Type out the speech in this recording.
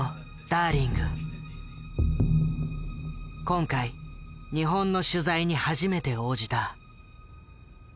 今回日本の取材に初めて応じた。